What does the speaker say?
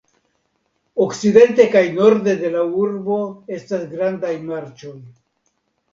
Okcidente kaj norde de la urbo estas grandaj marĉoj.